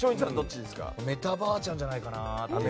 メタばあちゃんじゃないかな？